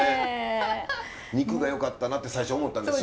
肉がよかったなって最初思ったんですよ。